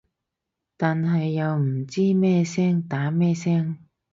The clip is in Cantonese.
但係又唔知咩聲打咩聲